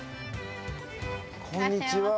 こんにちは！